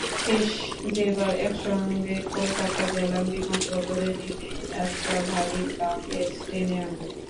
শেষ যেবার একসঙ্গে কলকাতা গেলাম, বিমানবন্দরে নেমে একটা ভারী লাগেজ টেনে আনলেন।